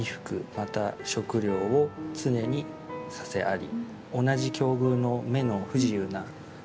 また食料を常にさせあり」。